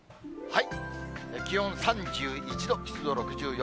気温３１度、湿度６４％。